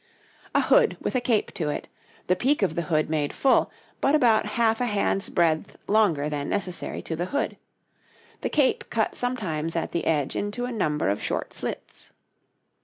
A hood with a cape to it; the peak of the hood made full, but about half a hand's breadth longer than necessary to the hood; the cape cut sometimes at the edge into a number of short slits.